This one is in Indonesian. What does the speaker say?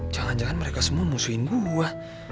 jangan jangan mereka semua musuhin buah